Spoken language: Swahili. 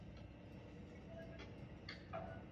ilianza Ugiriki Mafundisho ya Truman ilianza kipindi cha